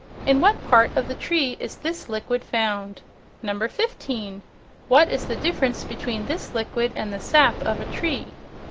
In what part of the tree is this liquid found? 15. What is the difference between this liquid and the sap of a tree.